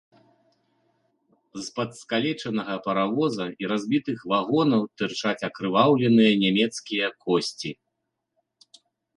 З-пад скалечанага паравоза і разбітых вагонаў тырчаць акрываўленыя нямецкія косці.